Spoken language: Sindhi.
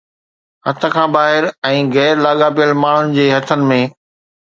هٿ کان ٻاهر ۽ غير لاڳاپيل ماڻهن جي هٿن ۾